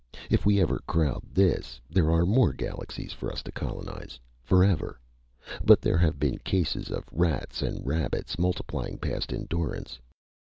If we ever crowd this, there are more galaxies for us to colonize, forever! But there have been cases of rats and rabbits multiplying past endurance.